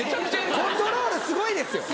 コントロールすごいですよ。